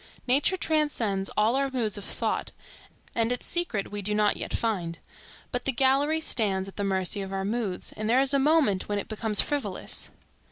Nature transcends all our moods of thought, and its secret we do not yet find. But the gallery stands at the mercy of our moods, and there is a moment when it becomes frivolous.